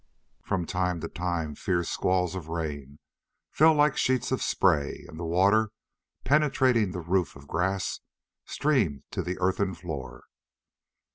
From time to time fierce squalls of rain fell like sheets of spray, and the water, penetrating the roof of grass, streamed to the earthen floor.